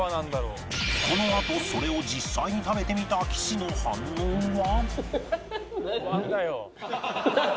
このあとそれを実際に食べてみた岸の反応は何？